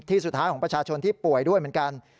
สุดท้ายของประชาชนที่ป่วยด้วยเหมือนกัน